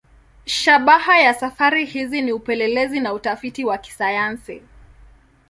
Shabaha ya safari hizi ni upelelezi na utafiti wa kisayansi.